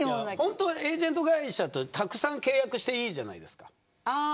本当はエージェント会社とたくさん契約していいじゃないですか。